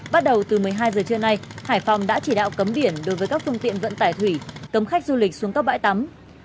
bắt đầu từ một mươi hai giờ trưa nay hải phòng đã chỉ đạo cấm biển đối với các phương tiện vận tải thủy cấm khách du lịch xuống các bãi tắm